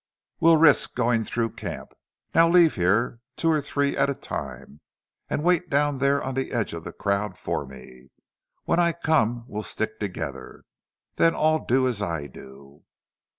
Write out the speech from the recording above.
We'll risk going through camp. Now leave here two or three at a time, and wait down there on the edge of the crowd for me. When I come we'll stick together. Then all do as I do."